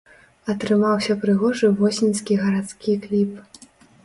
Атрымаўся прыгожы восеньскі гарадскі кліп.